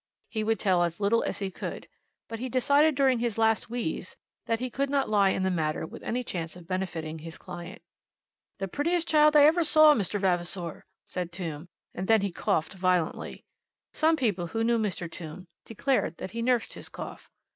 He would tell as little as he could; but he decided during his last wheeze, that he could not lie in the matter with any chance of benefiting his client. "The prettiest child I ever saw, Mr. Vavasor!" said Mr. Tombe, and then he coughed violently. Some people who knew Mr. Tombe declared that he nursed his cough.